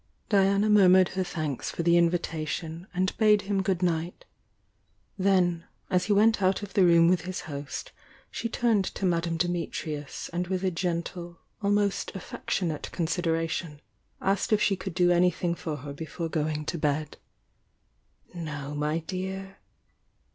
Diana murmured her thanks for the invitation and bade him good night, — then, as he went out of the room with his host, she turned to Madame Di mitrius and with a gentle, almost affectionate con sideration, asked if she could do anything for her before going to bed. "No, my dear!"